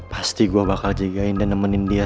pasti gue bakal jagain dan nemenin dia